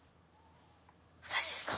私ですか？